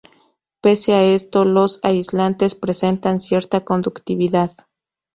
Pese a esto, los aislantes presentan cierta conductividad.